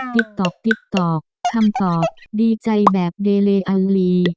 ติ๊กต๊อกติ๊กต๊อกคำตอบดีใจแบบเดเลอังลี